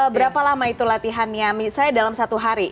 bagaimana itu latihannya misalnya dalam satu hari